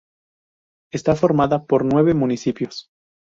Está formada por nueve municipios.